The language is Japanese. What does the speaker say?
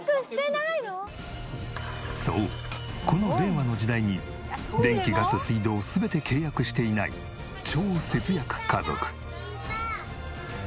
そうこの令和の時代に電気ガス水道全て契約していない超節約家族。